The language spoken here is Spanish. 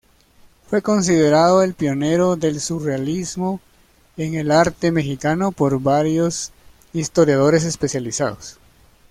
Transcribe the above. Fue considerado el pionero del surrealismo en el arte mexicano por varios historiadores especializados.